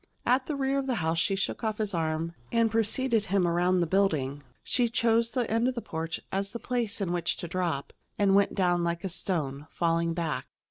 At the rear of the house she shook off his arm and preceded him around the building. She chose the end of the porch as the place in which to drop, and went down like a stone, falling back.